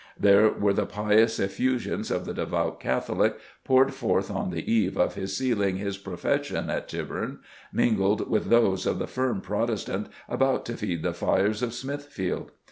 There were the pious effusions of the devout Catholic, poured forth on the eve of his sealing his profession at Tyburn, mingled with those of the firm Protestant about to feed the fires of Smithfield....